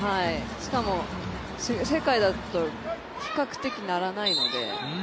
しかも、世界だと比較的、鳴らないので。